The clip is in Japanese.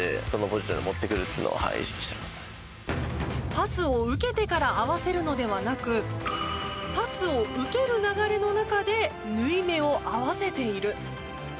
パスを受けてから合わせるのではなくパスを受ける流れの中で縫い目を合わせている。